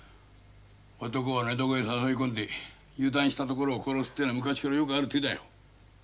男を寝床へ誘い込んで油断したところを殺すってのは昔からよくある手だよ。